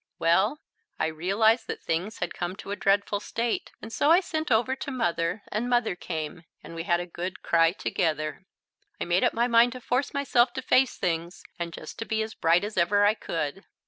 Well, I realized that things had come to a dreadful state, and so I sent over to Mother, and Mother came, and we had a good cry together. I made up my mind to force myself to face things and just to be as bright as ever I could.